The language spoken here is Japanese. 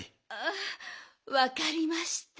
あわかりました。